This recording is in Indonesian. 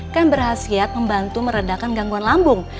kan berhasil membantu meredakan gangguan lambung